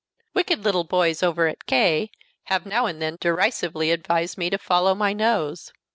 Wicked little boys over at K have now and then derisively advised me to follow my nose.